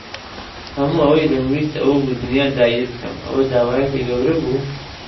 هەموو ئەوەی دەمویست ئەوە بوو دنیا داگیر بکەم. ئەوە داوایەکی گەورە بوو؟